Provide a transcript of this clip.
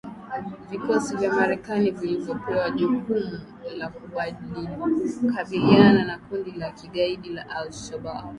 Vikosi vya Marekani vilivyopewa jukumu la kukabiliana na kundi la kigaidi la al-Shabab havitalazimika tena kusafiri hadi Somalia kutoka nchi jirani.